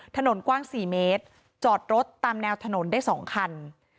ถนนกว้าง๔เมตรจอดรถตามแนวถนนได้๒คัน